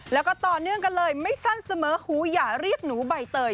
แล้วก็ต่อเนื่องกันเลยไม่สั้นเสมอหูอย่าเรียกหนูใบเตย